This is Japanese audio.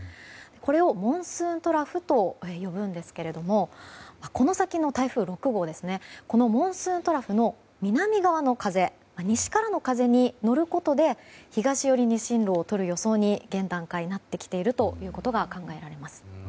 これをモンスーントラフと呼ぶんですけれどもこの先の台風６号モンスーントラフの南側の風が、西からの風に乗ることで東寄りに進路をとる予想に現段階なってきているということが考えられます。